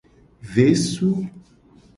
Vesu.